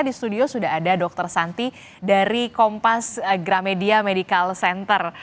di studio sudah ada dr santi dari kompas gramedia medical center